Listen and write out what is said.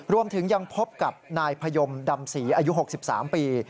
รวมถึงยังพบกับนายพยมดำศรีอายุ๖๓ปี